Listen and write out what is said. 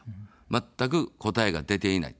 まったく答えが出ていない。